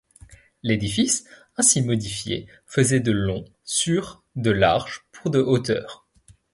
L'édifice ainsi modifié faisait de long sur de large pour de hauteur.